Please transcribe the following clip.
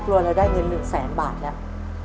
ฟุ๊กรู้ว่าเราได้เงินหนึ่งแสนบาทแล้ว